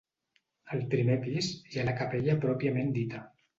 Al primer pis hi ha la capella pròpiament dita.